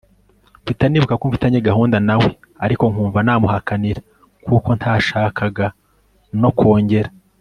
mpita nibuka ko mfitanye gahunda nawe ariko nkumva namuhakanira kuko ntashakaga no kongera